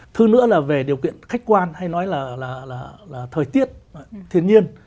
thứ nữa là về điều kiện khách quan hay nói là thời tiết thiên nhiên